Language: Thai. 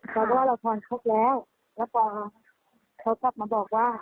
เพราะว่าเราทอนครบแล้วแล้วพอเขากลับมาบอกว่า